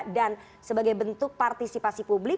dan sebagai bentuk partisipasi publik